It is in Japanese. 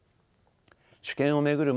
主権を巡る